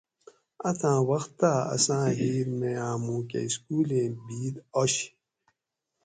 اتاں وختا اساں ھیر می آمو کہ سکولیں بید آشی